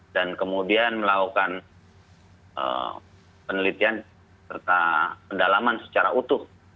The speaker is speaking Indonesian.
dan kemudian melakukan penelitian serta pendalaman secara utuh